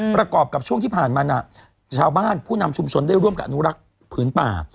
ประกอบกับช่วงที่ผ่านมาชาวบ้านผู้นำชุมชนได้ร่วมกับอนุรักษ์ผืนป่า